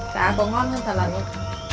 sau khi trời tối quá muộn